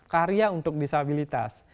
karya untuk disabilitas